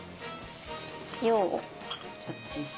塩をちょっとね。